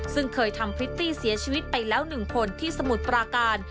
ซึ่งเคยทำพริตตี้เสียชีวิตไปแล้ว๑คนที่สมุทรปราการ